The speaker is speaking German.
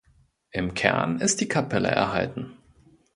Im Kern ist die Kapelle erhalten.